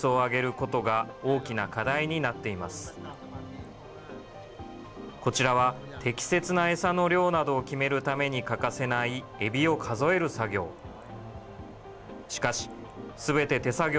こちらは、適切な餌の量などを決めるために欠かせない、エビを数える作業。